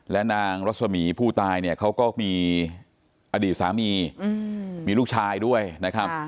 และนางรัศมีผู้ตายเนี่ยเขาก็มีอดีตสามีมีลูกชายด้วยนะครับ